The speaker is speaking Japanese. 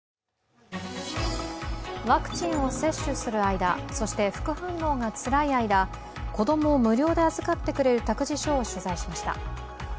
ワクチンを接種する間、そして副反応がつらい間、子供を無料で預かってくれる託児所を取材しました。